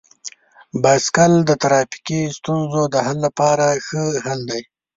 بایسکل د ټرافیکي ستونزو د حل لپاره ښه حل دی.